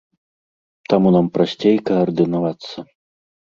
Таму нам прасцей каардынавацца.